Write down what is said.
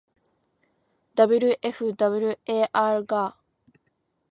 wfwarga